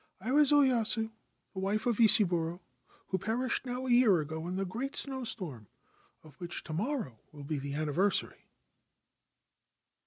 c I was Oyasu, the wife of Isaburo, who perished now a year ago in the great snowstorm, of which to morrow will be the anniversary.'